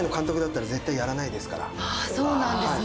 そうなんですね。